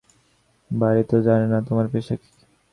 Barry তো জানে না তোমার পেশা কী।